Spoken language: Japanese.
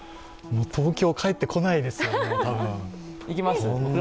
東京、帰ってこないですよ、多分。